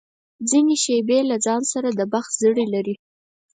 ځینې شېبې له ځان سره د بخت زړي لري.